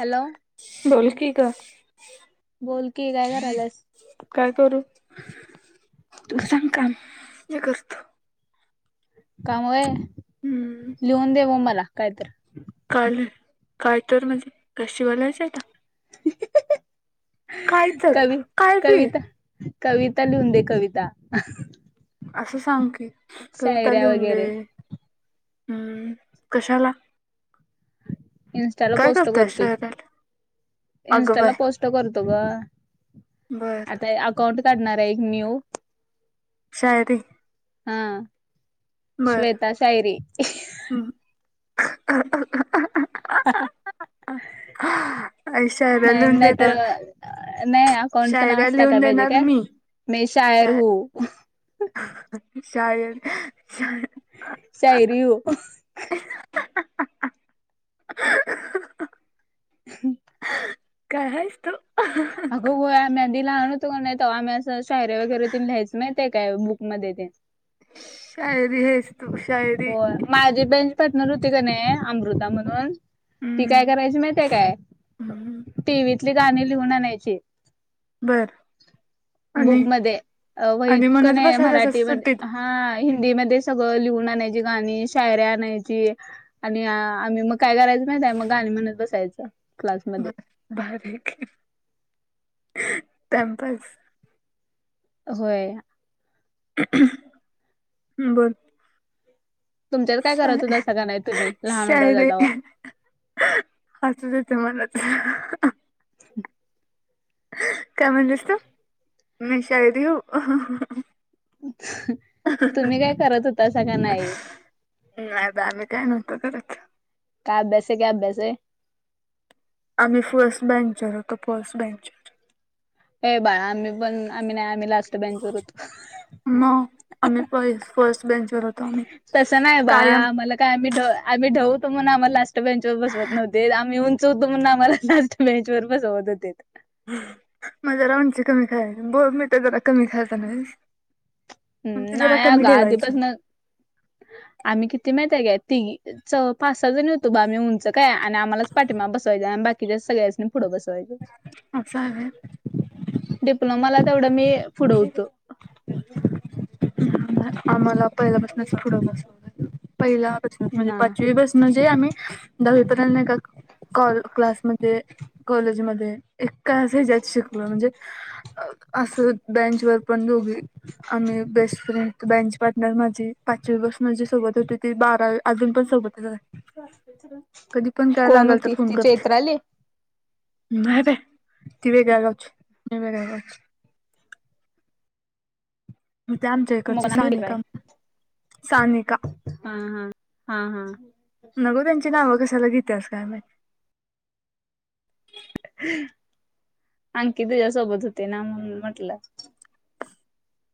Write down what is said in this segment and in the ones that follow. Hello. बोल की ग बोल की, काय करायलायेस? काय करू तूच सांग काम मी करतो. काम व्हय, हम्म लिहून दे म मला कायतर काय लिव्हू काय तर म्हणजे काय तर कवी काय बी कविता कविता लिहून दे कविता असं सांग की कविता शायऱ्या लिहून वगैरे दे, कशाला इन्स्टाला काय पोस्ट करताय करतोय. शायराला अगं इन्स्टॉला बाय पोस्ट करतो ग बर आता कॉड काढणार आहे एक न्यू शायरी हा, बर श्वेता शायरी हम्म शायरा नाही लिहून दे ग नाहीतर नाही, अकाउंटच नाव अस टाकायला पाहिजे देणार काय, मी मै शा शायर हू. शायर शायर. शायरी हू [inaudible] काय आहेस तू हो हो आम्ही आधी लहान होतो का नाई तेव्हा आम्ही असं शायऱ्या वगैरे तेन लिहायचो माहित ये काय बुकमध्ये ते शायरी आहेस तू, शायरी होय माझी पण पाटणार होते का नाही, अमृता म्हणून, ती हम्म काय करायची माहिती काय, हम्म टीव्हीतली गाणी लिहून आणायची बर बुक आणि मध्ये वहीत आणि का म्हणत नाही बसायच असं मराठी सुट्टीत मध्ये हा हिंदीमध्येध्ये सगळं लिहून आणायची, गाणी शायऱ्या, आणायची आणि आम्ही मग काय करायचं माहित आहे, मग गा आणि म्हणत बसायचं बर क्लासमध्ये बर भारी आहे की टाइमपास होय,, बोल तुमच्यात काय शा करात हुता का नाही तुम्ही लहान होतासा शायरी तवा हसूच येते मला तर काय म्हणलीस तु, मी शायरीऊ हु तुम्ही काय करत होता असं का नाही नाय बाई आम्ही काय नव्हतो काय करत काय अभ्यास आहे, की अभ्यास काय आम्ही फर्स्ट बँंचर होतो, फर्स्ट बँंच हे बाळा, आम्ही पण आम्ही नाही आम्ही लास्ट बेंचवर होतो. मग आम्ही प फर्स्ट बेंचवर होतो, आम्ही तसं नाही बा कायम आम्हाला काय ढ आम्ही आम्ही ढ होतो, आम्हाला लास्ट बेंचवर बसत नव्हते आम्हीपण उंच होतो म्हणून, आम्हाला लास्ट बेंचवर बसवत होतीत मग जरा उंची कमी करायची बोरमिटा तर जरा कमी खायचा नाही हम्म उंची जरा नाही कमी अगं ठेवायची,, आधीपासन आम्ही किती माहितयकाय तीघी च पाच सहा जण होतो बा आम्ही उंच- काय आणि आम्हाला पाठीमागेच बसवायचा आणि बाकीचं सगळ पुढे बसवायचं असं आहे डिप्लोमाला तेवढं मी पुढ होतो आम्हाला पहिल्यापसूनच पुढं बसवले पहिला म्हणजे ना पाचवी पासून म्हजे आम्ही दहावीपर्यंत का क्लासमध्ये कॉलेजमध्येध्ये एका असं जायचं शिकलो म्हणजे असं बेंच वर पण, दोघी आम्ही बेस्ट फ्रेंड बेंच पार्टनर माझी पाचवीपासुन जी सोबत होती ती, बारावी अजून पण सोबतच आहे कधी पण काय कोण लागाल तर होती फोन ती करते,, चैत्राली नाय बाई, ती वेगळ्या गावची, मी वेगळ्या गावची, ते, आमच्या मग इकडची काय सानिका, सानिका हा हा हा हा नवोदय त्यांची नावं कशाला घेतेस काय माहिती अंकी तुझ्यासोबत होते ना म्हणून म्हटलं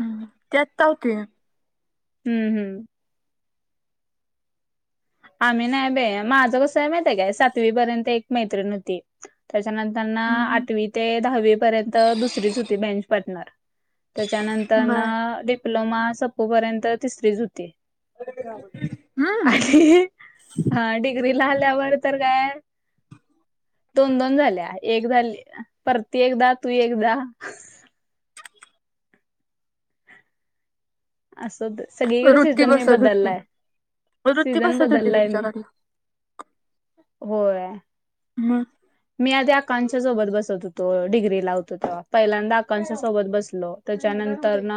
हम्म, त्यात काय होते हम्म हम् आम्ही नाही बाई माझं कसं आहे माहिती आहे काय, सातवी पर्यंत एक मैत्रिण होती त्याच्यानंतरना हम्म आठवी ते दहावी पर्यंत दुसरीच होती बेंच पार्टनर त्याच्यानंतर बर डिप्लोमा सप्पो पर्यंत तिसरीच होती [unintelligible] हा डिग्रीला आल्यावर तर काय दोन, दोन झाल्या, एक झाली परती एकदा तू एकदा असं सगळीकडच वृत्ती सीझन मी बसत होती बदललाय, वृत्ती सीझन बसत होती का बदललाय मी तुझ्याकडनं होय [unintelligible] मी आधी आकांक्षा सोबत बसत होतो डिग्रीला होतो तेव्हा पहिल्यांदा आकांक्षा सोबत बसलो त्येच्यानंतरन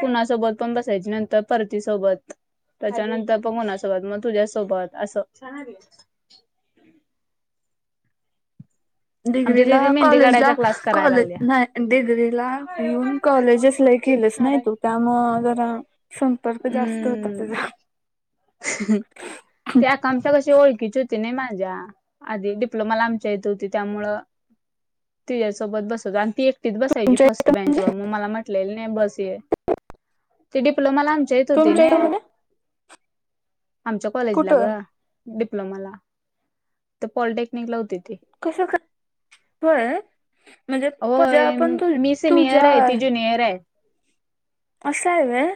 कुणासोबत पण बसायची, नंतर परतीसोबत त्येच्यानंतरन पण कोणासोबत, मग तुझ्यासोबत असं आमची डिग्रीला दिदी मेहंदी कॉलेजला काढायचा क्लास करायला कॉलेज लागल्या नाही, डिग्रीला येऊन कॉलेजस लई केलंच नाही तू? त्यामुळं जरा संपर्क जास्त होता हम्म त्येजा. ते आकांक्षा कशी ओळखीच होती नाही माझ्या, आधी डिप्लोमाला आमच्या हितं होती त्यामुळं तिच्यासोबत बसत आणि ती एक बसायची तुमच्या फर्स्ट इथं बेंचवर म्हणजे मला म्हटल्याली नयी बस ये, ती डिप्लोमाला जाईत होती तुमच्या इथं नय, म्हणजे आमच्या कॉलेजला कुठं गं डिप्लोमाला तर पॉलिटेक्निकला होती ती होय मी सिनियर [unintelligible] [unintelligible] असं हाय व्हयं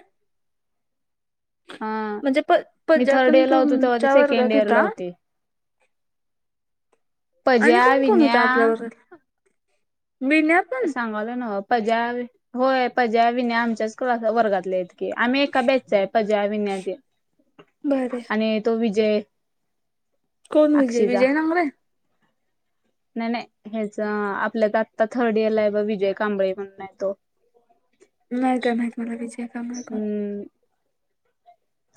हा म्हणजे प, मी पज्या थर्ड पण इयर ला होतो तेव्हा ती तुमच्या सेकंड वर्गात इयर ला हुता? होती. आणि पज्या, कोण कोण होतं विन्या आपल्या वर्गात? मी न्याप सांगायलोय नव्ह पज्या होय पज्या, विन्या आमच्याच को वर्गातले आहेत आम्ही एका बॅचच हाय पज्या विन्या तेन बरं आणि तो विजय कोण विजय अक्षीचा विजय नागरे? नाही नाही हेचं आपल्या आताचं थर्ड इयरला हाय ब विजय कांबळे म्हणून आहे तो नाही काय माहीत मला विजय कांबळे कोण हम्म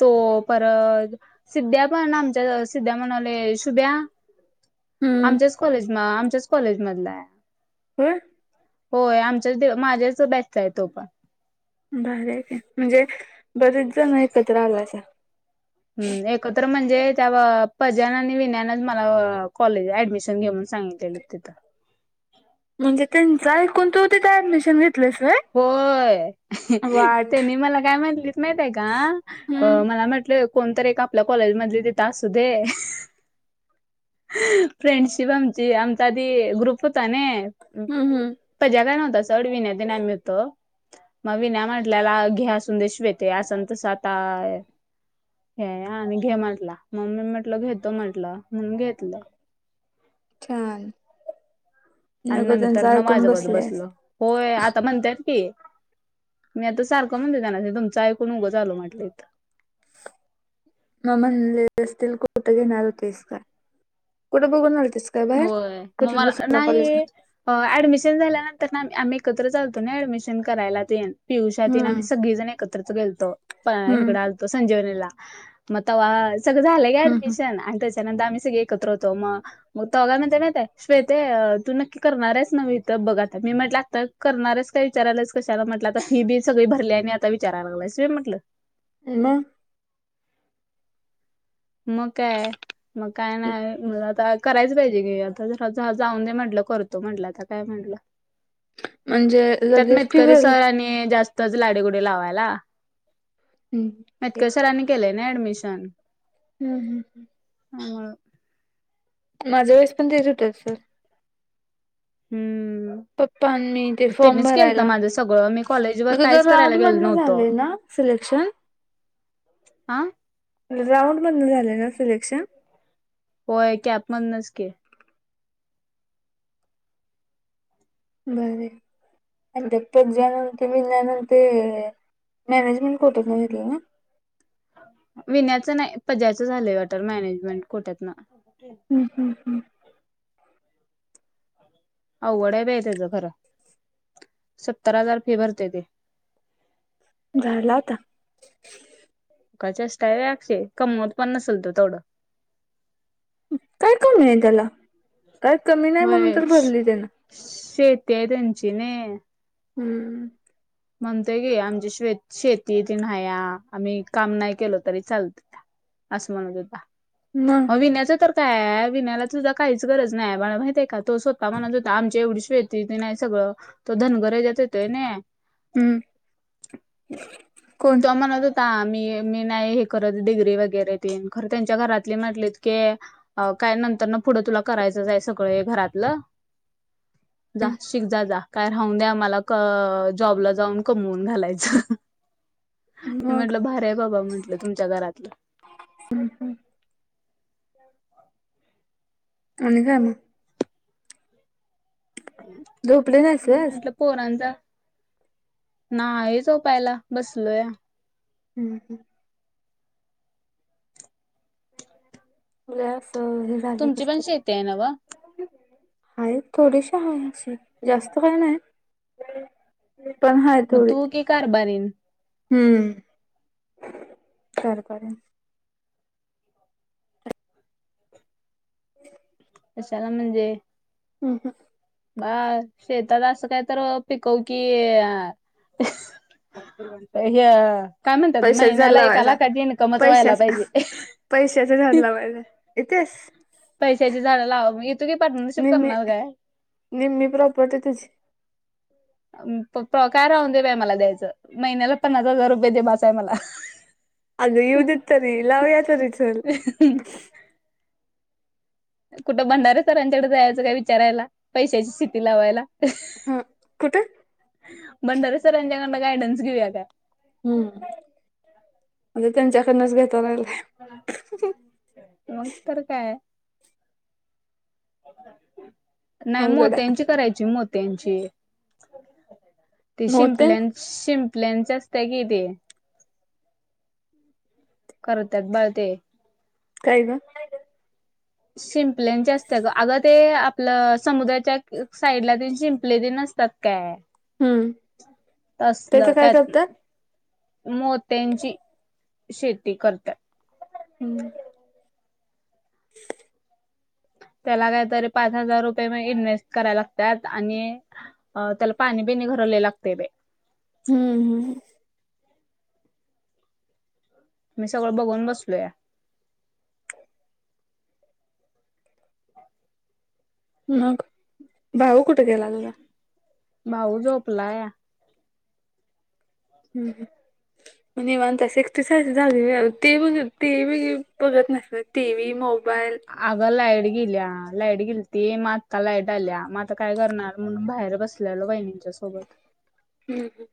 तो परत सिध्या पण आमच्याच वर्गात सिद्ध्या म्हणालोय शुभ्या हम्म आमच्याच कॉलेज म आमच्याच कॉलेज मधल हाय व्हयं होय आमच्याच, माझ्याच बॅचचा हाय तो पण भारी हाय काय, म्हणजे बरेच जण एकत्र आलासा हम् एकत्र म्हणजे त्या पज्यान आणि विन्यानच मला कॉलेज ऍडमिशन घे म्हणून सांगितलं [unintelligible] म्हणजे त्येनंच ऐकून तू तिथे ऍडमिशन घेतलीस व्हयं? होयं, त्येनी मला काय म्हटलीत माहिती हाय का अ हम्म मला म्हटलं कोणतरी एक आपल्या कॉलेजमधले तिथं असू दे फ्रेंडशिप आमची, आमचा आधी ग्रुप होता नयी हम्म हम्म पज्या काय नव्हता सोड विन्यातेन आम्ही होतो. विन्या म्हटल्याला घे असून दे श्वेते असण तसं आता हे हाय आणि घे म्हटला म मी म्हटलं घेतो म्हटलं म्हणून घेतलं. छान, आणि नगो नंतर त्यांचं ना ऐकून माझ्याबत बसलेयं बसलं होय. आता म्हणतेय की. मी आता सारखं म्हणते त्यांना तुमचंऐकून उगं झाल म्हटलं इथं. मग म्हणली असतील कुट घेणार होतेस्त. कुट बघून तस काय बाहेर. होय मग कुठ दिवस मला कॉलेज नाही ऍडमिशन झाल्यानंतर ना आम्ही एकत्र चालतो ना ऍडमिशन करायला तेन. पियुष्या तन आम्ही हम्म सगळी जण एकत्रित गेलतो प हम्म इकडं संजीवनीला मग्हा सगळं झालं ग हम्म ऍडमिशन आणि त्या त्यानंतर आमही सगळे एकत्र होतो मग. मग तवा काय म्हणत्या माहित हाय श्वेते तू नक्की करणार आहेस न् इ तर बघा आता मी म्हट लागत करणार आहेस का विचारायलाच कशाला म्हटलं आता ही बी सगळी भरली आणि आता विचारायला लाग असी म्हटलं. मग. मग काय मग काय नाही मुला करायच पाहिजे क आता जरा जाऊन दे म्हटलं करतो म्हटलं आता काय करणार. म्हणजे लगेच फि ते जास्तच लाडीगोडी लावायला. हम्म ठीक कशा केलय ना ऍडमिशन. हम् हम् हम्‌. हा हा. माझ्या वेळेस पण तेच होतीत सर. हम्म. पप्पा मी ते फॉर्म त्यांनीच केलत भरायला. माझं सगळं मी कॉलेज वर मग तुज काहीच करायला गेलो राऊंडमधनं नव्हतो झाले ना. सिलेक्शन. आ. राऊंड मधन झाले ना सिलेक्शन. होय कॅप मदनच की. बर हाय. अ तच्यानंत मिल्यानंत मॅनेजमेंट कोट्यातून घेतले ना. विण्याचं नाही पजायचं झालंय वाॉटेल मॅनेजमेंट कुठ्यातन. हम् हम् हम्. अवगड आहे बाई त्याच खरं सत्तर हजार फी भरतेय ते. झाला आता. मुकाचेष्टा अशय कंमवत पण नसलतं तेथवढं. काय कमी आहे त्याला. काय कमी नाही म्हणून होय तर भरली त्यान. शेती आहे त्यांची नही. हम्म. म्हणतेय की आमची शेत शेती तीन्हाया आम्ही काम नाही केलो तरी चालत. असं म्हणत होता. मग. विण्याचं तर काय विण्यायला पण काहीच गरज नाही बाला माहित आहे का तो मणत होता आमच्या एवढी श ति नाही सगळं तर धनगराजात येतोय नाही. हम्म. को तो म्हणत होता मी मी नाही हे करत डिग्री वगैरे तन खरं त्यांच्या घरातले म्हटलेत की काय नंतर न पुढं तुला करायचंचय सगळं घरातलं. [inaudible] जा शीख जा जा काय राहून द्या मला जॉबला जाऊन कमवून घालायचं. म मग म्हटलं भऱ्या बाबा म्हंटलं तुमच्या घरातलं. ह ह. आणि जाम. झोपली नाहीस आज. म्हटलं पोरांचा नाही आहे झोपायला बसलोय. हम हम. लई अस हे झालं तुमची पण कसतरी. शेती आहे ना व हाय थोडीशी आहे अस जास्त वेळ नाही. पण हाय मग थोडी तू की कारभारीण. हम्म कारभारीण. [unintelligible] कशाला म्हणजे. हम हम. ब शेतात असं काय तर पिकवू की आ अह. ह काय म्हणतात पैशाच झाड महिन्याला एका लावायचा लाखांची इन्कमच व्हायला पैशाचा पाहिजे. पैशाच झाडं लावायच हे येतेस. पैशाची झाडं लावा मग येतो की पार्टनरशिप निम्मी करणार काय. निम्मी प्रॉपर्टी तुझी. पप्पा काय राहून दे बाय मला द्यायचं महिन्याला पन्नास हजार रुपये दे बास आहे मला. अगं येऊदेत तरी लावुया तरी चल. कुठं भंडारे सरांच्याकडे जायचं काय विचारयला पैशाची शेती लावायला. हा कुठं. भंडारे सरांच्याकडून गाईडन्स घेऊया काय. हम्म मअगं त्यांच्याकडनच घेता येईल का. मग तर काय. नाही अवघड आहे मोत्यांची करायची मोत्यांची ते मोते शिंपल्यां. शिंपल्यांची असत्या की ते. [unintelligible] करत्यात बाळ ते. काय ग. शिंपल्यांची असत्या ग अगं ते आपलं समुद्राच्यात. एक साईडला ते शिंपले भी नसतात काय. हम्म त्याच तसलं काय त्यात. करतात मोत्यांची शेती करतात. हम्म. त्याला काहीतरी पाच हजार रुपये मग इन्व्हेस्ट करायला लागतात आणि. अ त्याला पाणी बिनि भराले लई लागते बई. हम्म हम. मी सगळं बघून बसलो या. मग भाऊ कुठं गेला. भाऊ झोपला या. हम हम. निवांत हाईस एकटीच हाय जागी अजुन टीव्ही बघतं नाहीस काय. TV mobile. अगं लाईट गेल्या लाईट गेलती म आता लाईट आल्या आता काय करणार म्हणून बाहेर बस. बहिणींच्या सोबत [unintelligible] ह [unintelligible]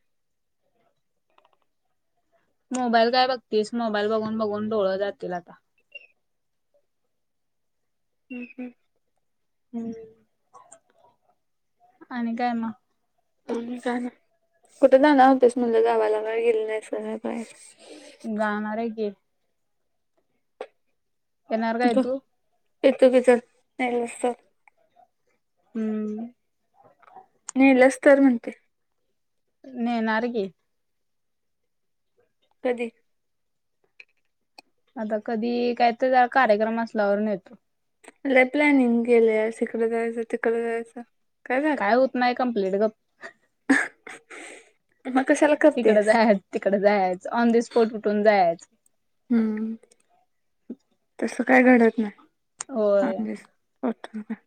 मोबाईल काय बघतेस, मोबाईल बघून बघून डोळं जातील आता. [unintelligible] हम्, आणि काय मग? आणि काय? कुठे जाणार होतीस म्हटलं गावाला काही गेले नाही काही नाय. जाणार आहे की, येणार काय तू [unintelligible] हम्म. नेलच तर म्हणते. नेणार की, कधी? आता कधी, काय तर कार्यक्रम असल्यावरून ने. लय प्लॅनिंग केल्यास इकड जायचं तिकड जायचं. काय होत नाही कम्प्लीट ग. म कशाला तिकडं करतेस जायच, तिकड जायच, ऑन द स्पॉट उठून जायच. हम्म, तस काय घडत नाही. होय [unintelligible] होठ [unintelligible]